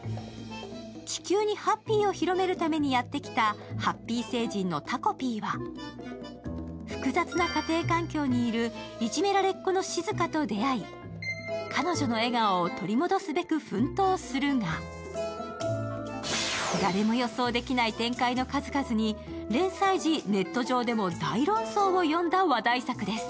地球にハッピーを広めるためにやってきたハッピー星人のタコピーは複雑な家庭環境にいるいじめられっ子のしずかに出会い彼女の笑顔を取り戻すべく奮闘するが、誰も予想できない展開の数々に連載時、ネット上でも大論争を呼んだ話題作です。